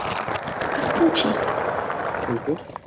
— Кыстинчи.